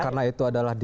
karena itu adalah di